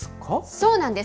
そうなんです。